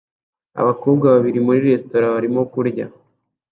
Abakobwa babiri muri resitora barimo kurya